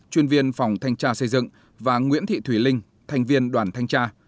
chuyên viên phòng thanh tra xây dựng và nguyễn thị thùy linh thành viên đoàn thanh tra